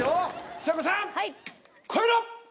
ちさ子さん超えろ！